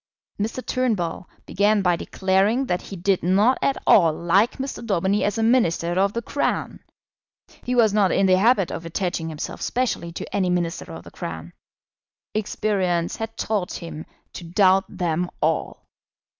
Mr. Turnbull began by declaring that he did not at all like Mr. Daubeny as a Minister of the Crown. He was not in the habit of attaching himself specially to any Minister of the Crown. Experience had taught him to doubt them all.